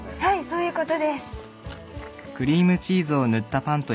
そういうことです。